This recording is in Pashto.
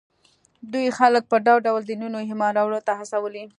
دوی خلک پر ډول ډول دینونو ایمان راوړلو ته هڅولي